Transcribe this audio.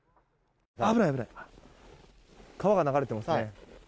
川が流れていますね。